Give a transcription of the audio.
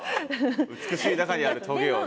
美しい中にあるトゲをね。